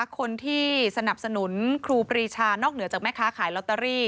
คนที่สนับสนุนครูปรีชานอกเหนือจากแม่ค้าขายลอตเตอรี่